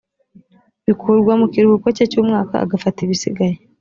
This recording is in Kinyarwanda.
bikurwa mu kiruhuko cye cy’umwaka agafata ibisigaye